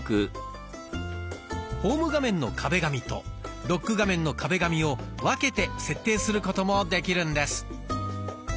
ホーム画面の壁紙とロック画面の壁紙を分けて設定することもできるんです。